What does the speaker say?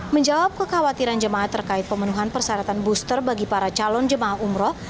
menjawab kekhawatiran jemaah terkait pemenuhan persyaratan booster bagi para calon jemaah umroh